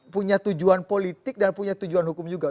punya tujuan politik dan punya tujuan hukum juga